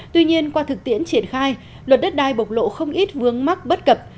tuy nhiên qua thực tiễn triển khai luật đất đai bộc lộ không ít vướng mắc bất cập